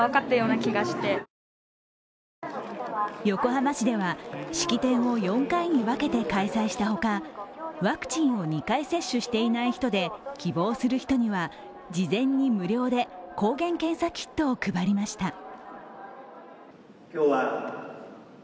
横浜市では式典を４回に分けて開催したほかワクチンを２回接種していない人で希望する人には事前に無料で抗原検査キットを配りました。